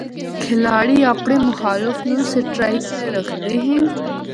کھلاڑی اپنڑے مخالف نوں سٹرائیک تے رکھدے ہن۔